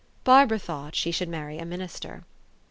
Barbara thought she should marry a minister.